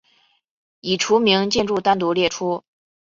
已除名建筑单独列出。